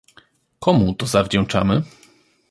Komu to zawdzięczamy?